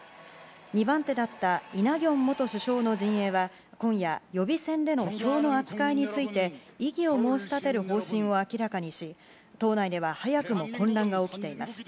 ２番手だったイ・ナギョン元首相の陣営は今夜、予備選での票の扱いについて異議を申し立てる方針を明らかにし党内では早くも混乱が起きています。